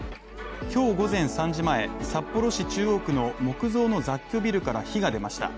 今日午前３時前、札幌市中央区の木造の雑居ビルから火が出ました。